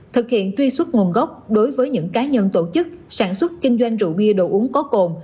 thực hiện truy xuất nguồn gốc đối với những cá nhân tổ chức sản xuất kinh doanh rượu bia đồ uống có cồn